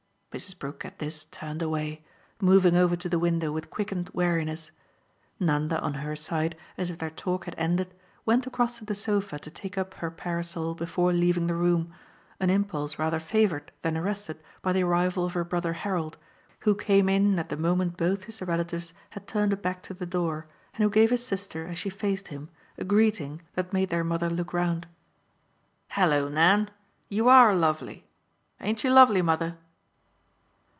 Mrs. Brook at this turned away, moving over to the window with quickened weariness. Nanda, on her side, as if their talk had ended, went across to the sofa to take up her parasol before leaving the room, an impulse rather favoured than arrested by the arrival of her brother Harold, who came in at the moment both his relatives had turned a back to the door and who gave his sister, as she faced him, a greeting that made their mother look round. "Hallo, Nan you ARE lovely! Ain't she lovely, mother?"